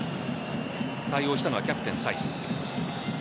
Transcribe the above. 対応したのはキャプテン・サイス。